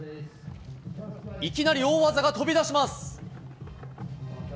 いきなり大技が飛び出します。